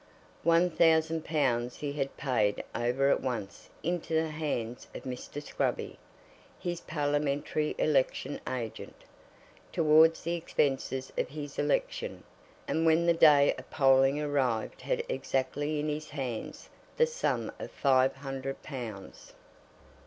One thousand pounds he had paid over at once into the hands of Mr. Scruby, his Parliamentary election agent, towards the expenses of his election; and when the day of polling arrived had exactly in his hands the sum of five hundred pounds.